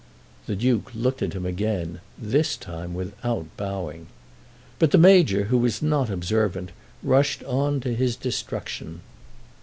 The Duke looked at him again, this time without bowing. But the Major, who was not observant, rushed on to his destruction.